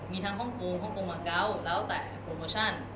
มีทั้งห้องโปรงห้องโปรงมังเก้าแล้วแต่โปรโมชั่น